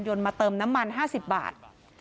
มาเติมน้ำมัน๕๐บาท